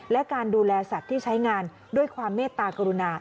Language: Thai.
และการดูแลสัตว์ที่ใช้งานด้วยความเมตตากรุณา